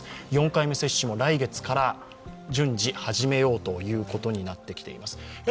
４回目接種も来月から順次始めようということになってきています。